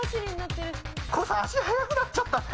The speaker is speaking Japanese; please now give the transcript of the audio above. ＫＯＯさん足速くなっちゃった。